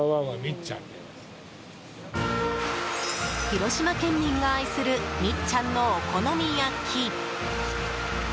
広島県民が愛するみっちゃんのお好み焼き。